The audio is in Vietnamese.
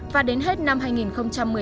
và đến hết năm hai nghìn một mươi chín